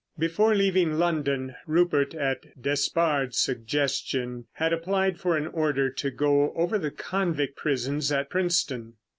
Before leaving London, Rupert, at Despard's suggestion, had applied for an order to go over the convict prisons at Princetown.